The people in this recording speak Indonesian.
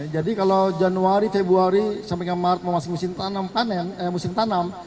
jadi kalau januari februari sampai ke maret mau masuk musim tanam